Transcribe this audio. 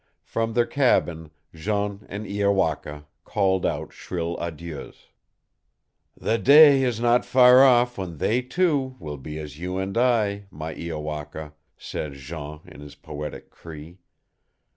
From their cabin Jean and Iowaka called out shrill adieus. "The day is not far off when they two will be as you and I, my Iowaka," said Jean in his poetic Cree.